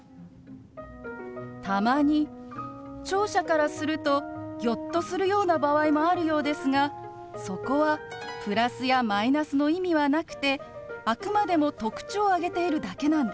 たまに聴者からするとギョッとするような場合もあるようですがそこはプラスやマイナスの意味はなくてあくまでも特徴を挙げているだけなんです。